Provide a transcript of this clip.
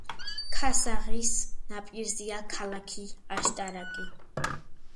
ქასაღის ნაპირზეა ქალაქი აშტარაკი.